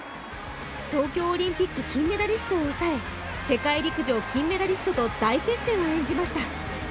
東京オリンピック金メダリストを抑え、世界陸上金メダリストと大接戦を演じました。